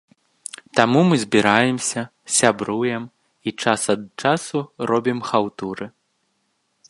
Таму мы збіраемся, сябруем, і час ад часу робім хаўтуры.